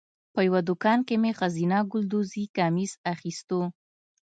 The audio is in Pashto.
په یوه دوکان کې مې ښځینه ګلدوزي کمیس اخیستلو.